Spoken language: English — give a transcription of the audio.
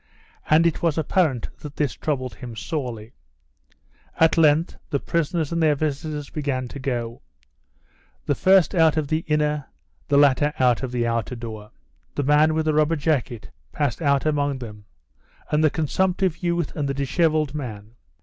And it was apparent that this troubled him sorely. At length the prisoners and their visitors began to go the first out of the inner, the latter out of the outer door. The man with the rubber jacket passed out among them, and the consumptive youth and the dishevelled man.